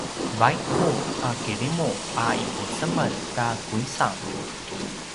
vaiku a kirimu a ipucemel ta kuisang